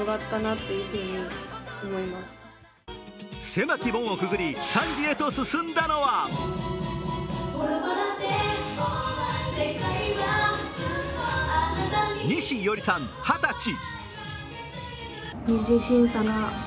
狭き門をぐくり、３次へと進んだのは西唯織さん二十歳。